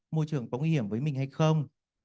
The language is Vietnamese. môi trường có nguy hiểm với mình hay không